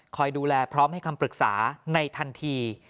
ดูแลพร้อมให้คำปรึกษาในทันที